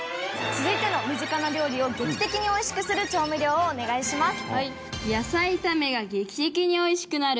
続いての身近な料理を劇的においしくする調味料をお願いします。